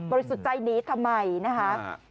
บริสุทธิ์ใจนี้ทำไมนะคะ